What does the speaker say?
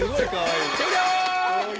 終了！